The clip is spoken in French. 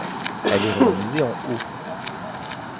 Elle est romanisée en Ö.